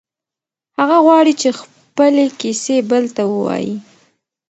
هغه غواړي چې خپلې کیسې بل ته ووایي.